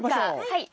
はい。